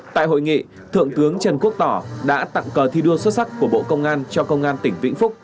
tại hội nghị thượng tướng trần quốc tỏ đã tặng cờ thi đua xuất sắc của bộ công an cho công an tỉnh vĩnh phúc